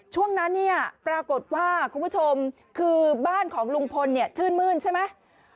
ช่วงนั้นเนี่ยปรากฏว่าคุณผู้ชมคือบ้านของลุงพลเนี่ยชื่นมื้นใช่ไหม